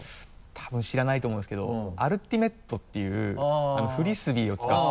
多分知らないと思うんですけどアルティメットっていうフライングディスクを使った。